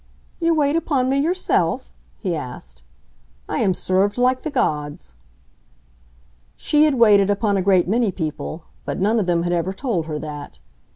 "You wait upon me yourself?" he asked. "I am served like the gods!" She had waited upon a great many people, but none of them had ever told her that.